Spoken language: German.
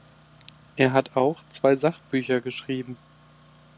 Er hat auch zwei Sachbücher geschrieben.